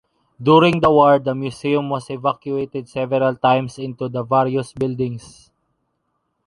During the war, the Museum was evacuated several times into the various buildings.